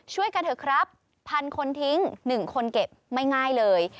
ช่วยกันเถอะครับ๑๐๐คนทิ้ง๑คนเก็บไม่ง่ายเลย